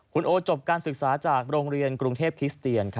คุณโอจบการศึกษาจากโรงเรียนกรุงเทพคิสเตียน